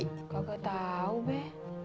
kok gak tau be